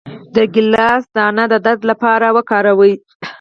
د ګیلاس دانه د درد لپاره وکاروئ